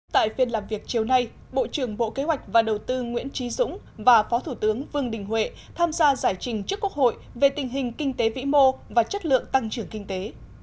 tại phiên làm việc chiều nay bộ trưởng bộ kế hoạch và đầu tư nguyễn trí dũng và phó thủ tướng vương đình huệ tham gia giải trình trước quốc hội về tình hình kinh tế vĩ mô và chất lượng tăng trưởng kinh tế